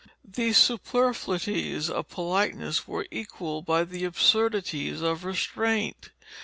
These superfluities of politeness were equalled by the absurdities of restraint.